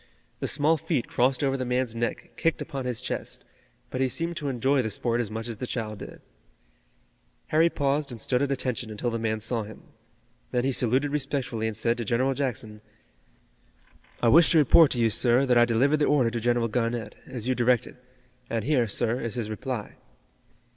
The small feet crossed over the man's neck kicked upon his chest, but he seemed to enjoy the sport as much as the child did. Harry paused and stood at attention until the man saw him. Then he saluted respectfully and said to General Jackson: "I wish to report to you, sir, that I delivered the order to General Garnett, as you directed, and here, sir, is his reply."